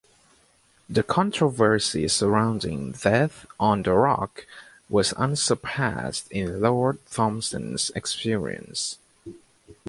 The controversy surrounding "Death on the Rock" was "unsurpassed" in Lord Thomson's experience.